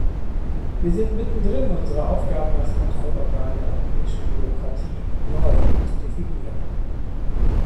Wir sind mittendrin, unsere Aufgabe als Kontrollorgan der europäischen Bürokratie neu zu definieren.